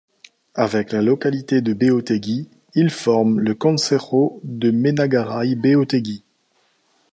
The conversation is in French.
Avec la localité de Beotegi, il forme le concejo de Menagarai-Beotegi.